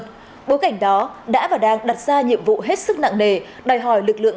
phức tạp hơn bối cảnh đó đã và đang đặt ra nhiệm vụ hết sức nặng nề đòi hỏi lực lượng